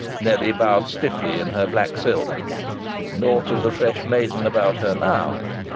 Nellie bowed stiffly in her black silk. (Naught of the fresh maiden about her now!)